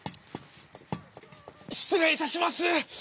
失礼いたします。